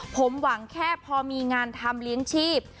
ผมหวังแค่พอมีงานทำเลี้ยงชีพ